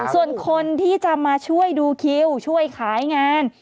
ส่วนคนที่จะมาช่วยดูคิวช่วยขายงาน